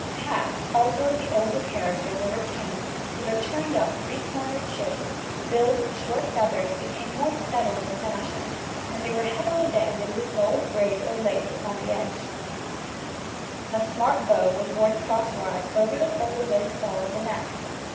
Hats also of the older character were retained, but the turned up three cornered shape, filled with short feathers, became more settled in fashion, and they were heavily banded with gold braid or lace on the edge. [Illustration: FIG. 78. Period 1690 1700.] A smart bow was worn crosswise over the folded lace fall at the neck.